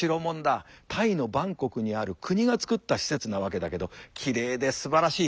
タイのバンコクにある国がつくった施設なわけだけどきれいですばらしい。